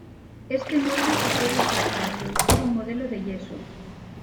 Este molde se puede usar para producir un modelo de yeso.